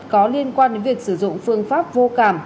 có liên quan đến việc sử dụng phương pháp vô cảm